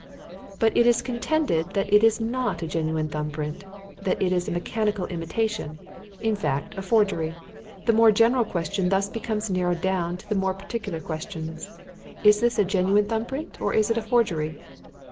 But it is contended that it is not a genuine thumb print; that it is a mechanical imitation in fact a forgery. "The more general question thus becomes narrowed down to the more particular question: 'Is this a genuine thumb print or is it a forgery?'